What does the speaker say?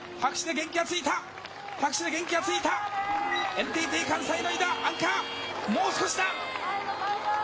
ＮＴＴ関西の井田、アンカー、もう少しだ。